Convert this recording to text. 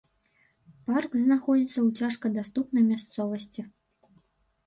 Парк знаходзіцца ў цяжкадаступнай мясцовасці.